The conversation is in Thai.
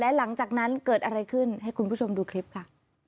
หลังจากนั้นเกิดอะไรขึ้นให้คุณผู้ชมดูคลิปค่ะ